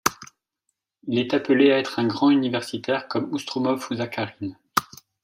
Il est appelé à être un grand universitaire comme Ostroumov ou Zakharine.